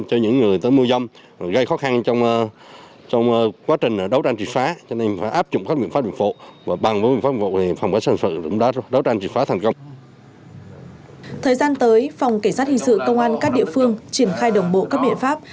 thời gian tới phòng cảnh sát hình sự công an các địa phương triển khai đồng bộ các biện pháp